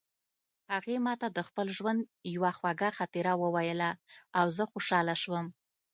هغې ما ته د خپل ژوند یوه خوږه خاطره وویله او زه خوشحاله شوم